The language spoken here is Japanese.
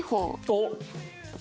おっ。